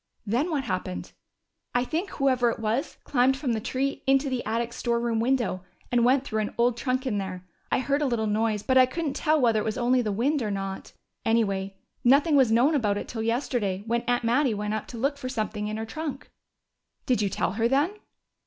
"Then what happened?" "I think whoever it was climbed from the tree into the attic storeroom window and went through an old trunk in there. I heard a little noise, but I couldn't tell whether it was only the wind or not. Anyway, nothing was known about it till yesterday, when Aunt Mattie went up to look for something in her trunk." "Did you tell her then?"